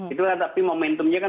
itu kan tapi momentumnya kan